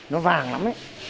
nó vàng lắm ý